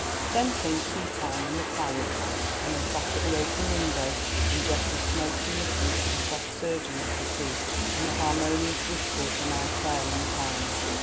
Then came tea time and the quiet, when they sat at the open window, and Geoffrey smoked and listened to the soft surging of the sea and the harmonious whisper of the night air in the pines.